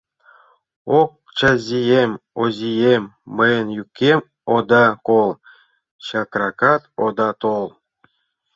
Ок, Чазиэм, Озиэм, мыйын йӱкем ода кол, чакракат ода тол!